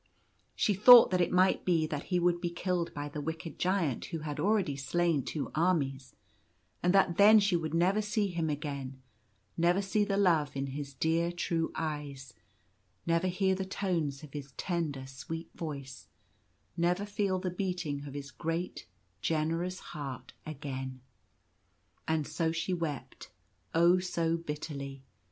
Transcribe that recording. She thought that it might be that he would be killed by the wicked Giant who had already slain two armies, and that then she would never see him again — never see the love in his dear, true eyes — never hear the tones of his tender, sweet voice — never feel the beating of his great, generous heart again. And so she wept, oh! so bitterly.